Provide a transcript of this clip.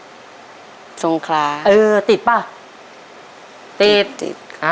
หน้าคอยอธิภัณฑ์และกว่าจังครับทรงคลาเออติดป่ะ